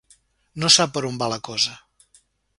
No sap per on va la cosa.